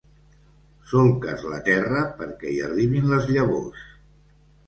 Solques la terra perquè hi arribin les llavors.